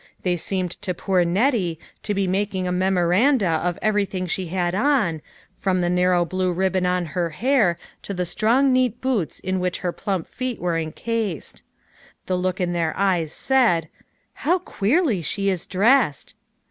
They seemed to poo; Nettie to be mak ing a memoranda of everything she had on, from the narrow blue ribbon on her hair to the strong neat boots in which her plump feet were encased. The look in their eyes said, " How queerly she is dressed